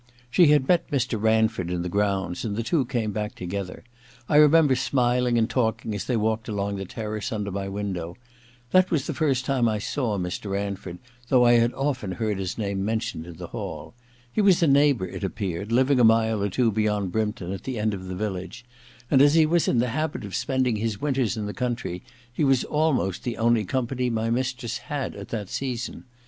She had met Mr. Ranford in the grounds, and the two came back together, I remember, smiling and talking as they walked along the terrace under my window. That was the first time I saw Mr. Ranford, though I had often 132 THE LADY'S MAID'S BELL ii heard his name mentioned in the hall. He was a neighbour, it appeared, living a mile or two beyond Brympton, at the end of the village ; and as he was in the habit of spending his winters in the country he was almost the only company my mistress had at that season.